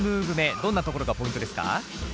どんなところがポイントですか？